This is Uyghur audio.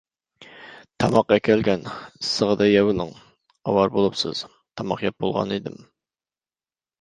تاماق ئەكەلگەن، ئىسسىقىدا يەۋېلىڭ، ئاۋارە بولۇپسىز، تاماق يەپ بولغان ئىدىم.